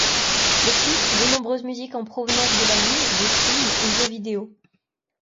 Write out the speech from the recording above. De plus, de nombreuses musiques en provenance de l'anime, des films ou jeux vidéo.